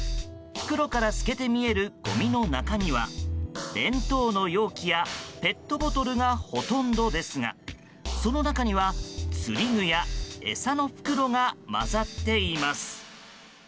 袋から透けて見えるごみの中身は弁当の容器やペットボトルがほとんどですがその中には釣り具や餌の袋が混ざっています。